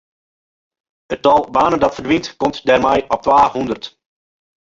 It tal banen dat ferdwynt komt dêrmei op twahûndert.